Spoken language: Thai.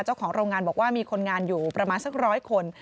เจ้าของโรงงานบอกว่ามีคนงานอยู่ประมาณสักร้อยคน